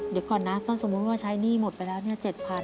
เดี๋ยวก่อนนะถ้าสมมุติว่าใช้หนี้หมดไปแล้วเนี่ย